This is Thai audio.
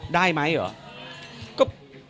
ได้ไหมเหรอ